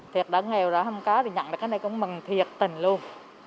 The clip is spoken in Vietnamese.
thiệt đã nghèo rồi không có thì nhận được cái này cũng mừng thiệt tình luôn